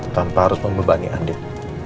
tanpa harus membebani andien